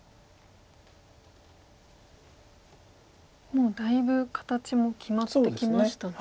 もうだいぶ形も決まってきましたね。